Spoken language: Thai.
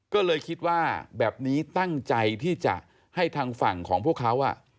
ก็เลยคิดว่าแบบนี้ตั้งใจที่จะให้ทางฝั่งของพวกเขา